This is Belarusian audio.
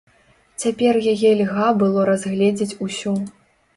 Цяпер яе льга было разгледзець усю.